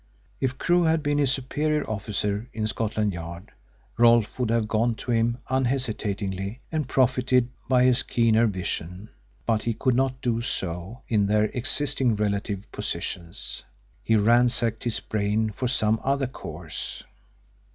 If Crewe had been his superior officer in Scotland Yard, Rolfe would have gone to him unhesitatingly and profited by his keener vision, but he could not do so in their existing relative positions. He ransacked his brain for some other course.